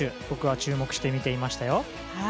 僕は注目して見ていましたよ。